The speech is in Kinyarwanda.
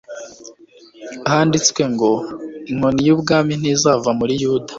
handitswe ngo, “Inkoni y’ubwami ntizava kuri Yuda,